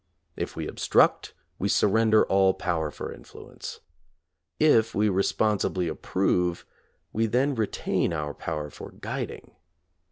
If we obstruct, we surrender all power for influence. If we respon sibly approve, we then retain our power for guid ing.